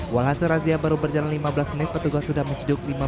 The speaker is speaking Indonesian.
walhasil razia baru berjalan lima belas menit petugas sudah menciduk